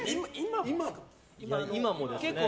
今もですか？